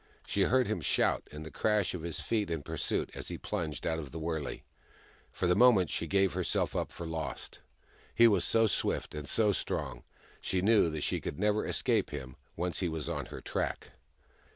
She heard him shout, and the crash of his feet in pursuit as he plunged out of the wurley ; and for a moment she gave herself up for lost. He was so swift and so strong : she knew that she could never escape him, once he was on her track.